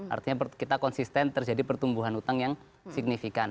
artinya kita konsisten terjadi pertumbuhan utang yang signifikan